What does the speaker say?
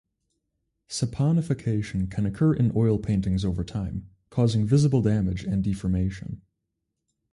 Saponification can occur in oil paintings over time, causing visible damage and deformation.